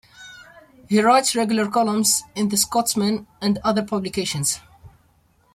He writes regular columns in "The Scotsman" and other publications.